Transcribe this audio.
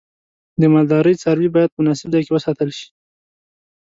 د مالدارۍ څاروی باید په مناسب ځای کې وساتل شي.